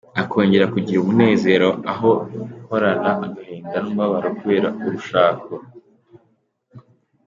Akongera kugira umunezero aho guhorana agahinda n’umubabaro kubera urushako.